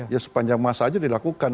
ya sepanjang masa aja dilakukan